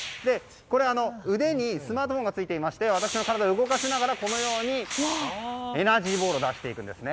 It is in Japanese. これは腕にスマートフォンがついていまして私の体を動かしながらこのようにエナジーボールを出していくんです。